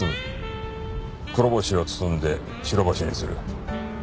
黒星を包んで白星にする。